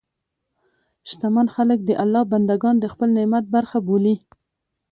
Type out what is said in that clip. شتمن خلک د الله بندهګان د خپل نعمت برخه بولي.